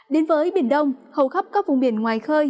đến với biển đông hầu khắp các vùng biển ngoài khơi